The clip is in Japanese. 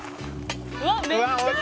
「うわっめっちゃいい」